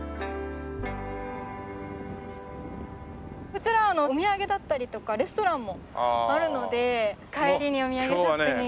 こちらお土産だったりとかレストランもあるので帰りにお土産ショップに。